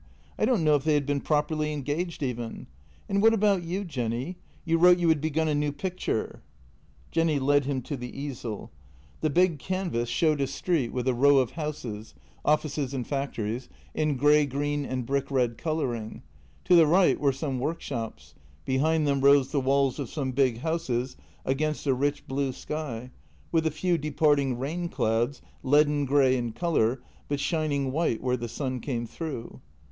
I don't know if they had been properly engaged even. And what about you, Jenny — you wrote you had begun a new picture?" Jenny led him to the easel. The big canvas showed a street JENNY 140 with a row of houses — offices and factories — in grey green and brick red colouring. To the right were some workshops; behind them rose the walls of some big houses against a rich blue sky, with a few departing rain clouds, leaden grey in colour, but shining white where the sun came through.